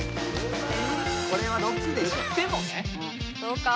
これは６でしょどうか？